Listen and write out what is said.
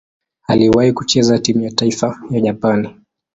Aliwahi kucheza timu ya taifa ya Japani.